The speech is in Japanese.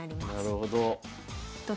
なるほど。